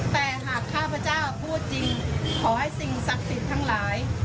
แต่หากข้าพเจ้าพูดจริงขอให้สิ่งศักดิ์สิทธิ์ทั้งหลาย